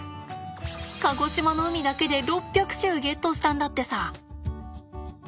鹿児島の海だけで６００種ゲットしたんだってさ。